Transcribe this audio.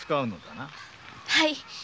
はい。